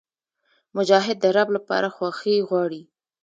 مجاهد د رب لپاره خوښي غواړي.